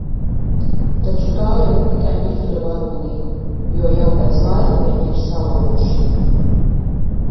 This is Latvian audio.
Taču tā jau ir tikai mirkļa varonība, jo jau pēc laika viņi ir salabuši.